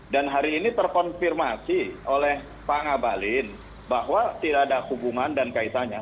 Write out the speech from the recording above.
dan hari ini terkonfirmasi oleh pak ngabalin bahwa tidak ada hubungan dan kaitannya